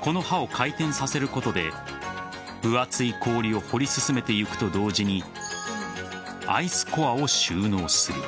この刃を回転させることで分厚い氷を掘り進めていくと同時にアイスコアを収納する。